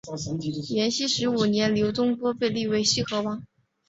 延熙十五年刘琮被立为西河王。